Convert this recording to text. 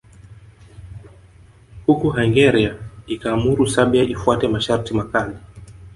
Huku Hungaria ikiamuru Serbia ifuate masharti makali